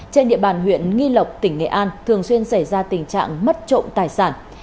trên địa bàn huyện nghi lộc tỉnh nghệ an thường xuyên xảy ra tình trạng mất trộm tài sản